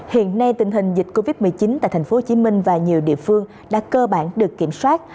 hiện nay tình hình dịch covid một mươi chín tại tp hcm và nhiều địa phương đã cơ bản được kiểm soát